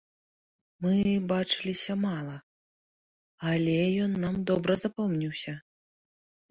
Мы бачыліся мала, але ён нам добра запомніўся.